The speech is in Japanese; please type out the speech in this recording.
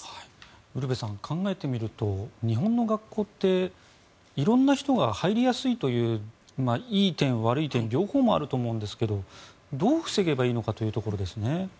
ウルヴェさん考えてみると日本の学校って色んな人が入りやすいといういい点、悪い点両方があると思うんですがどう防げばいいのかというところですね。